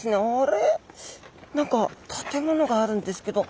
何か建物があるんですけど。